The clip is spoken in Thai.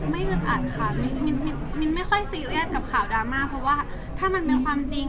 อึดอัดค่ะมินไม่ค่อยซีเรียสกับข่าวดราม่าเพราะว่าถ้ามันเป็นความจริง